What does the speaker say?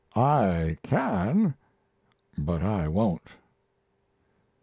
I can; but I won't."